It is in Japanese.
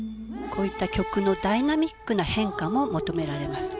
こういった曲のダイナミックな変化も求められます。